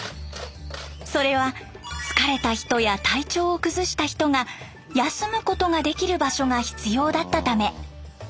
それは疲れた人や体調を崩した人が休むことができる場所が必要だったため。